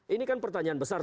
ini kan pertanyaan besar